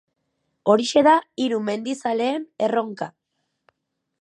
Horixe da hiru mendizaleen erronka.